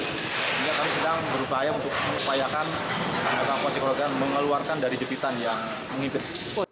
sehingga kami sedang berupaya untuk memupayakan evakuasi korban mengeluarkan dari jepitan yang menghibur